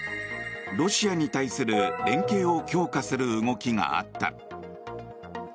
ロシアに対する連携を強化する動きがあった。